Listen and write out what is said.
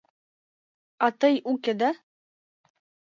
А тый уке, да?